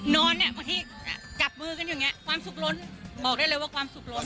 เนี่ยบางทีจับมือกันอย่างนี้ความสุขล้นบอกได้เลยว่าความสุขล้น